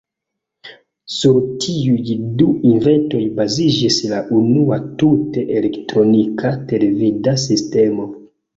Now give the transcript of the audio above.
Sur tiuj du inventoj baziĝis la unua tute elektronika televida sistemo.